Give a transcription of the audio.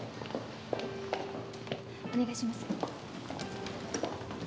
お願いします。